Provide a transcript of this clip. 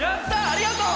ありがとう！